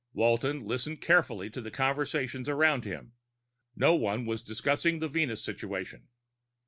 Walton listened carefully to the conversations around him; no one was discussing the Venus situation.